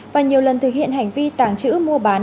và nhiều lần thực hiện hành vi tàng trữ mua bán